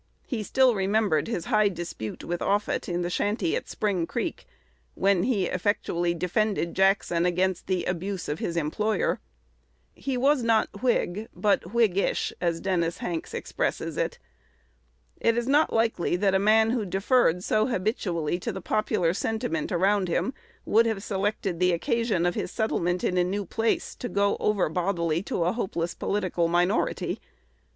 He still remembered his high disputes with Offutt in the shanty at Spring Creek, when he effectually defended Jackson against the "abuse" of his employer. He was not Whig, but "Whiggish," as Dennis Hanks expresses it. It is not likely that a man who deferred so habitually to the popular sentiment around him would have selected the occasion of his settlement in a new place to go over bodily to a hopeless political minority.